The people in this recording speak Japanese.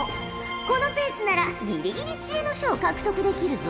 このペースならギリギリ知恵の書を獲得できるぞ。